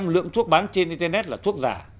lượng thuốc bán trên internet là thuốc giả